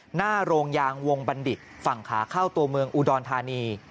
หน้าโรงยางวงบัณฑิตฝั่งขาเข้าตัวเมืองอุดรธานี